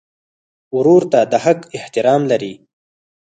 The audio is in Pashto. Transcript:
ورور ته د حق احترام لرې.